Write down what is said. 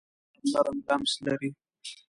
ګلاب نرم لمس لري.